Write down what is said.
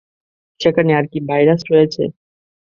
সেখানে আর কী ভাইরাস রয়েছে?